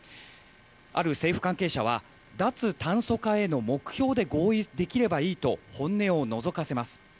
ある政府関係者は脱炭素化への目標で合意できればいいと本音をのぞかせます。